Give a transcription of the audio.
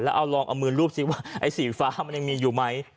แล้วเอาลองเอามือรูปสิว่าไอ้สีฟ้ามันยังมีอยู่ไหม